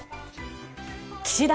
岸田